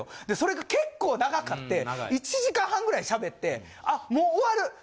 でそれが結構長かって１時間半ぐらい喋ってあもう終わる。